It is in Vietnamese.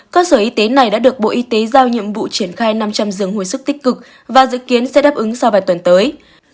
cơ sở y tế này đã được bộ y tế giao nhiệm vụ triển khai năm trăm linh giường hồi sức tích cực và dự kiến sẽ đáp ứng sau vài tuần tới